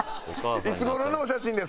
いつ頃のお写真ですか？